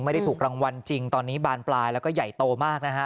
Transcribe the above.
ไม่ได้ถูกรางวัลจริงตอนนี้บานปลายแล้วก็ใหญ่โตมากนะฮะ